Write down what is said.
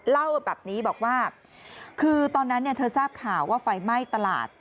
เล่าแบบนี้บอกว่าคือตอนนั้นเธอทราบข่าวว่าไฟไหม้ตลาด